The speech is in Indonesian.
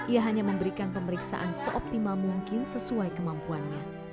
ia hanya memberikan pemeriksaan seoptimal mungkin sesuai kemampuannya